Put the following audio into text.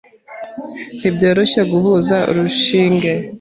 Ntibyoroshye guhuza urushinge.